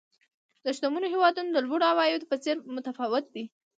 د شتمنو هېوادونو د لوړو عوایدو په څېر متفاوت دي.